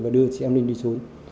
và đưa chị em linh đi trốn